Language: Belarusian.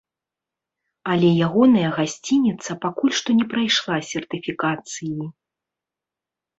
Але ягоная гасцініца пакуль што не прайшла сертыфікацыі.